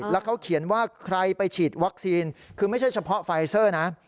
แล้วเขาเขียนว่าใครไปฉีดวัคซีนคือไม่ใช่เฉพาะไฟเซอร์นะ